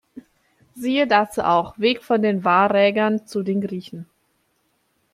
Siehe dazu auch Weg von den Warägern zu den Griechen.